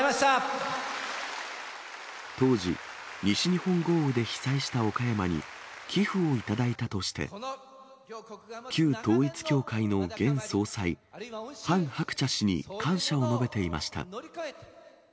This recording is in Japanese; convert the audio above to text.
当時、西日本豪雨で被災した岡山に寄付を頂いたとして、旧統一教会の現総裁、ハン・ハクチャ氏に感謝を述べていました。